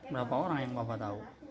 berapa orang yang bapak tahu